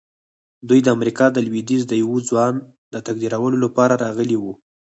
دوی د امریکا د لويديځ د یوه ځوان د تقدیرولو لپاره راغلي وو